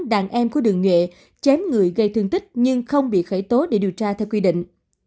đàn em của đường nhuệ chém người gây thương tích nhưng không bị khởi tố để điều tra theo quy định